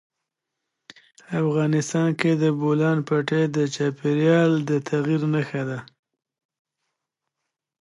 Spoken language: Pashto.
افغانستان کې د بولان پټي د چاپېریال د تغیر نښه ده.